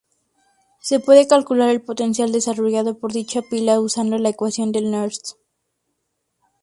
Se puede calcular el potencial desarrollado por dicha pila usando la ecuación de Nernst.